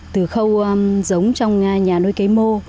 từ khâu giống trong nhà nuôi cấy mô